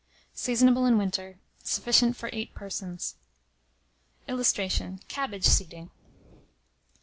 Seasonable in winter. Sufficient for 8 persons. [Illustration: CABBAGE SEEDING.